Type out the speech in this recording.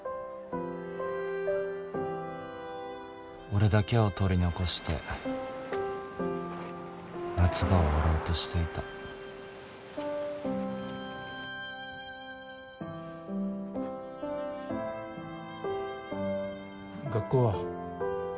俺だけを取り残して夏が終わろうとしていた学校は？